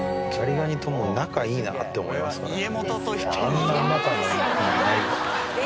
あんな仲のいい感じないですね。